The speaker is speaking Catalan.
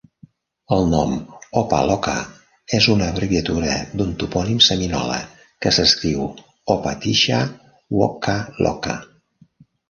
El nom "Opa-locka" és una abreviatura d'un topònim seminola, que s'escriu Opa-tisha-wocka-locka.